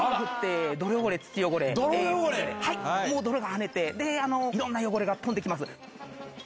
泥がはねて色んな汚れが飛んできます。